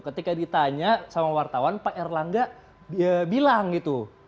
ketika ditanya sama wartawan pak erlangga bilang gitu